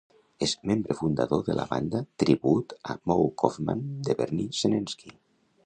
És membre fundador de la banda tribut a Moe Koffman de Bernie Senensky.